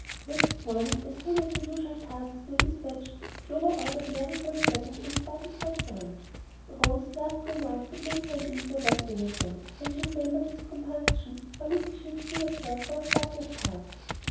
Next morning, as soon as her usual tasks were despatched, Clover ordered Marigold saddled and started for the Youngs'. Rose's last remarks had made her uneasy about Imogen, and she remembered with compunction how little she had seen of her for a fortnight past.